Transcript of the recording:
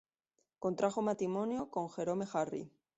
Contrajo matrimonio con Jerome Harry.